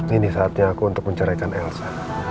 ini saatnya aku untuk menceraikan elsa